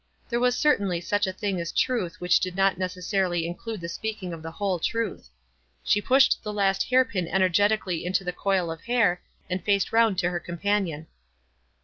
There was certainly such a thing as truth which did not necessarily include the speaking of the whole truth. She pushed the last hair pin energetically into the coil of hair, and faced round to her companion.